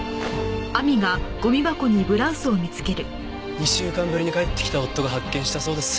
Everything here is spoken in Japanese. ２週間ぶりに帰ってきた夫が発見したそうです。